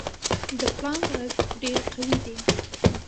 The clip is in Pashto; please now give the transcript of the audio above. د پړانګ غږ ډېر قوي دی.